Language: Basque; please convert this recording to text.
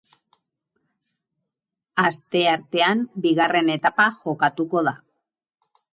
Asteartean bigarren etapa jokatuko da.